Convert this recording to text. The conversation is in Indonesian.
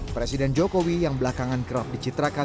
presiden jokowi yang belakangan kerap dicitrakan